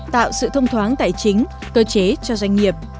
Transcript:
tạo sự thông thoáng tài chính cơ chế cho doanh nghiệp